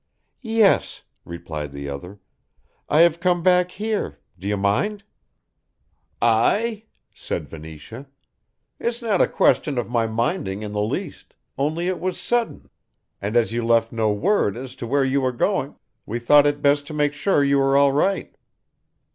"Yes," replied the other. "I have come back here, d'you mind?" "I?" said Venetia. "It's not a question of my minding in the least, only it was sudden, and as you left no word as to where you were going we thought it best to make sure you were all right."